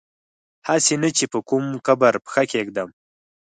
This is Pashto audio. هسي نه چي په کوم قبر پښه کیږدم